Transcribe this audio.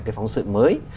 cái phóng sự mới